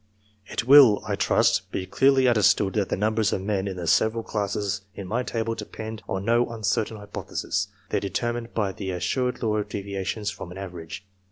It will, I trust, be clearly understood that the numbers of men in the several classes in my table depend on no uncertain hypothesis. They are determined by the assured law of deviations from an average.